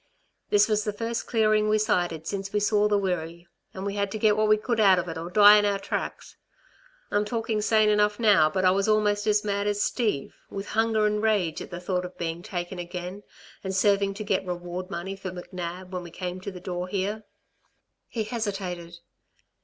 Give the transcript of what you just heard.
This was the first clearing we sighted since we saw the Wirree and we had to get what we could out of it, or die in our tracks. I'm talking sane enough now, but I was almost as mad as Steve with hunger and rage at the thought of being taken again and serving to get reward money for McNab, when we came to the door, here...." He hesitated.